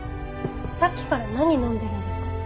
さっきから何飲んでるんですか。